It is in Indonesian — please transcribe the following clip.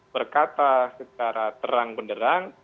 berkata secara terang benerang